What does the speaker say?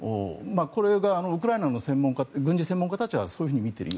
これがウクライナの軍事専門家たちはそういうふうにみている。